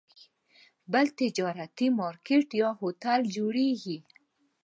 بل تجارتي مارکیټ یا هوټل جوړېږي.